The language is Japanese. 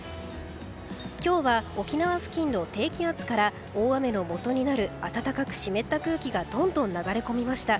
今日は沖縄付近の低気圧から大雨のもとになる暖かく湿った空気がどんどん流れ込みました。